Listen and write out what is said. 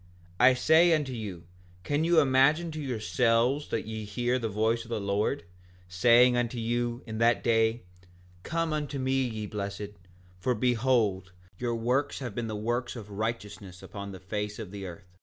5:16 I say unto you, can you imagine to yourselves that ye hear the voice of the Lord, saying unto you, in that day: Come unto me ye blessed, for behold, your works have been the works of righteousness upon the face of the earth?